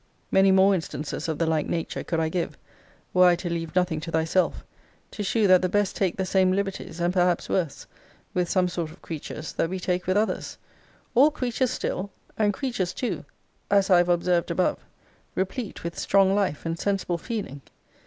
Many more instances of the like nature could I give, were I to leave nothing to thyself, to shew that the best take the same liberties, and perhaps worse, with some sort of creatures, that we take with others; all creatures still! and creatures too, as I have observed above, replete with strong life, and sensible feeling!